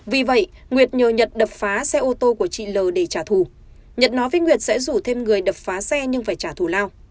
vì vậy nguyệt nhờ nhật đập phá xe ô tô của chị l để trả thù nhận nói với nguyệt sẽ rủ thêm người đập phá xe nhưng phải trả thù lao